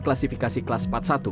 klasifikasi kelas empat puluh satu